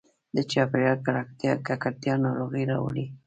د چاپېریال ککړتیا ناروغي راوړي.